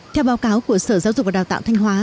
theo báo cáo của sở giáo dục và đào tạo thanh hóa